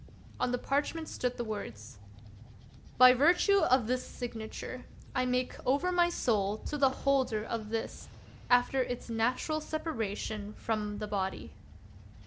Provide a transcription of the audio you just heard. On the parchment stood the words :—" By virtue of this my signature, I make over my soul to the holder of this, after its natural separation from the body."